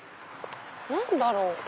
何だろう？